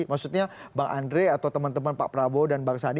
maksudnya bang andre atau teman teman pak prabowo dan bang sandi